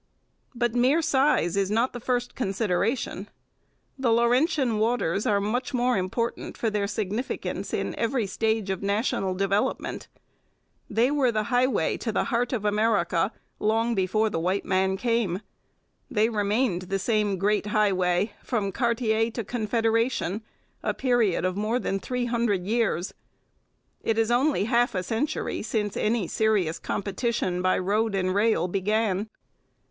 But mere size is not the first consideration. The Laurentian waters are much more important for their significance in every stage of national development. They were the highway to the heart of America long before the white man came. They remained the same great highway from Cartier to Confederation a period of more than three hundred years. It is only half a century since any serious competition by road and rail began.